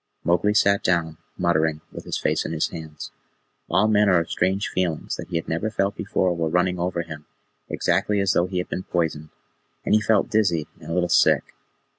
Mowgli sat down, muttering, with his face in his hands. All manner of strange feelings that he had never felt before were running over him, exactly as though he had been poisoned, and he felt dizzy and a little sick.